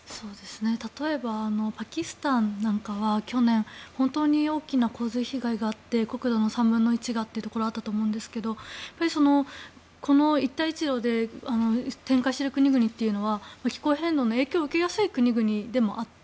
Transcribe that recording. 例えばパキスタンなんかは去年本当に大きな洪水被害があって国土の３分の１がというのがあったと思うんですけどこの一帯一路で展開している国々というのは気候変動の影響を受けやすい国々でもあって。